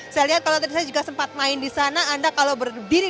saya lihat kalau tadi saya juga sempat main di sana anda kalau berdiri